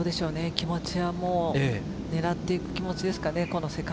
気持ちはもう狙っていく気持ちですかね。